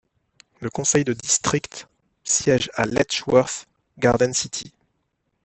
Le conseil de district siège à Letchworth Garden City.